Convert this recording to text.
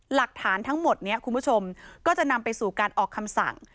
หลักฐานทั้งหมดนี้คุณผู้ชมก็จะนำไปสู่การออกคำสั่ง